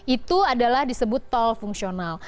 itu adalah disebut tol fungsional